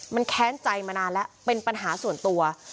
มันแค้นใจมานานแล้วเป็นปัญหาส่วนตัว